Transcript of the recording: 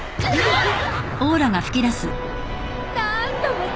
あっ。